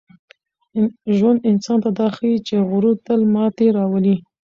ژوند انسان ته دا ښيي چي غرور تل ماتې راولي.